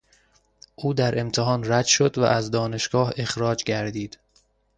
او در امتحان رد شد و از دانشگاه اخراج گردید.